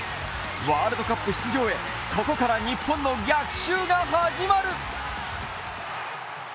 ワールドカップ出場へ、ここから日本の逆襲が始まる。